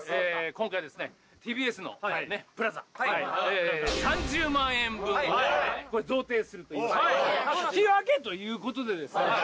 今回ですねＴＢＳのＰＬＡＺＡ３０万円分これ贈呈すると言いましたけど引き分けということでですね